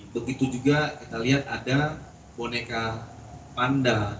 begitu juga kita lihat ada boneka panda